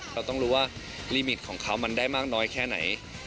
เราต้องรู้ว่าลิมิตของเขามันได้มากน้อยแค่ไหน